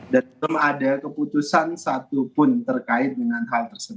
dan belum ada keputusan satu pun terkait dengan hal tersebut